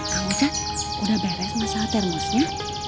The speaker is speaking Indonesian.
kang ocat udah beres masalah termosnya